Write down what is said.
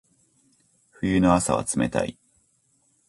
冬の朝は冷たい。